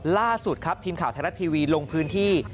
ล่าสุดครับทีมข่าวไทยรัฐทีวีลงพื้นที่